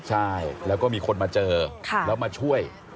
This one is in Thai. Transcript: ใช่แล้วก็มีคนมาเจอแล้วมาช่วย